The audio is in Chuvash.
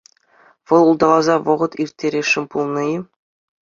Вӑл улталаса вӑхӑт ирттересшӗн пулнӑ-и?